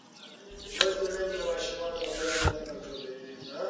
لوستې میندې د ماشومانو د خوړو اندازه کنټرولوي.